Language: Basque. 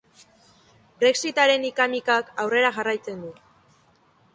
Brexitaren ika-mikak aurrera jarraitzen du.